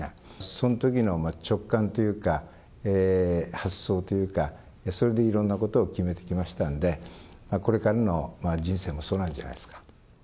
そのときの直感というか、発想というか、それでいろんなことを決めてきましたんで、これからの人生もそうなんじゃないですか。